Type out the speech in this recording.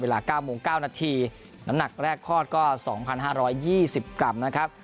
๙โมง๙นาทีน้ำหนักแรกคลอดก็๒๕๒๐กรัมนะครับ